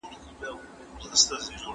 ایا ستا زوی په بن کې یو ښه دنده لري؟